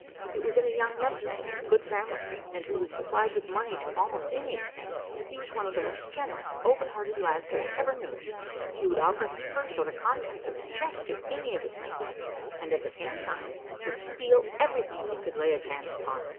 It was in a young messmate of good family, and who was supplied with money to almost any extent: he was one of the most generous, open hearted lads that I ever knew; he would offer his purse, or the contents of his chest, to any of his messmates; and, at the same time, would steal everything that he could lay his hands upon.